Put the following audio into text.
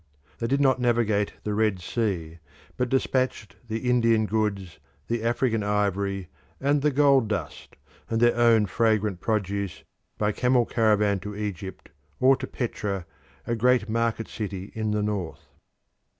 They did not navigate the Red Sea, but dispatched the Indian goods, the African ivory and gold dust, and their own fragrant produce by camel caravan to Egypt or to Petra, a great market city in the north.